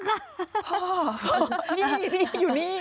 พ่อนี่อยู่นี่